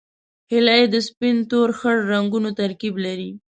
هیلۍ د سپین، تور، خړ رنګونو ترکیب لري